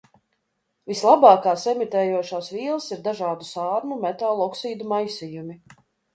Vislabākās emitējošās vielas ir dažādu sārmu metālu oksīdu maisījumi.